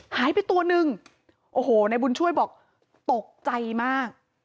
หายไปตัวหนึ่งในบุญช่วยบอกตกใจมาก